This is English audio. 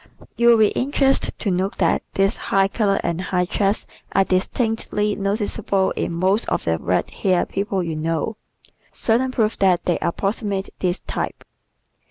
You will be interested to note that this high color and high chest are distinctly noticeable in most of the red haired people you know certain proof that they approximate this type.